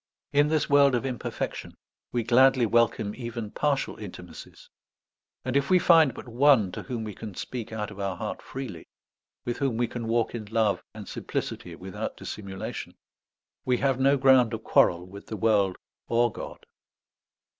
In this world of imperfection we gladly welcome even partial intimacies. And if we find but one to whom we can speak out of our heart freely, with whom we can walk in love and simplicity without dissimulation, we have no ground of quarrel with the world or God.